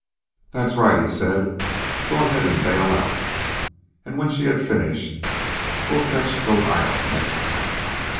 "That's right," he said. "Go ahead an' bale out." And, when she had finished: "We'll fetch Goat Island next tack.